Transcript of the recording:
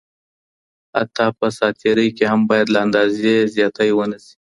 حتی په ساعت تیرۍ کي هم باید له اندازې زیاتی ونه سي.